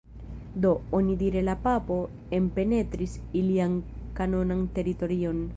Do, onidire la papo enpenetris ilian kanonan teritorion.